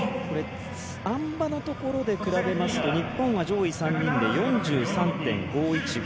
あん馬のところで比べますと日本は上位３人で４３．５１５。